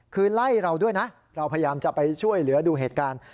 คือไล่เราด้วยนะเราพยายามจะไปช่วยเหลือดูเหตุการณ์